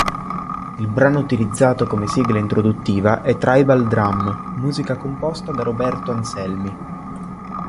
Il brano utilizzato come sigla introduttiva è "Tribal Drum", musica composta da Roberto Anselmi.